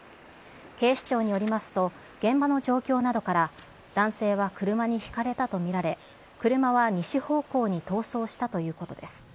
警視庁によりますと、現場の状況などから男性は車にひかれたと見られ、車は西方向に逃走したということです。